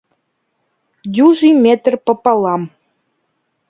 Дюжий метр пополам!